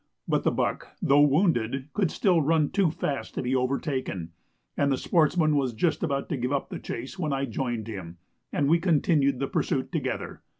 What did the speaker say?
But the buck, though wounded, could still run too fast to be overtaken, and the sportsman was just about to give up the chase when I joined him, and we continued the pursuit together.